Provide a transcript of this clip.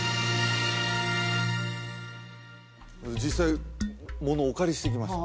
実際ものをお借りしてきました